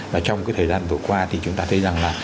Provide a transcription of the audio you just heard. và trong cái thời gian vừa qua thì chúng ta thấy rằng là